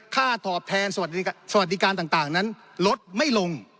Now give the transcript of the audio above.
ตอบแทนสวัสดิการต่างนั้นลดไม่ลง